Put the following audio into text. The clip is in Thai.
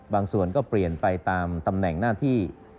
ส่วนก็เปลี่ยนไปตามตำแหน่งหน้าที่